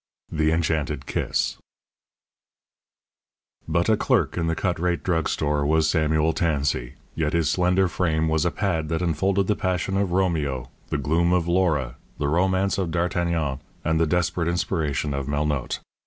XV THE ENCHANTED KISS But a clerk in the Cut rate Drug Store was Samuel Tansey, yet his slender frame was a pad that enfolded the passion of Romeo, the gloom of Laura, the romance of D'Artagnan, and the desperate inspiration of Melnotte.